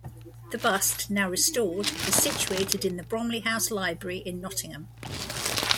The bust, now restored, is situated in the Bromley House Library in Nottingham.